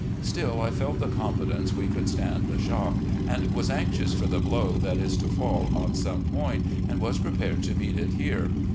Still I felt the confidence we could stand the shock, and was anxious for the blow that is to fall on some point, and was prepared to meet it here.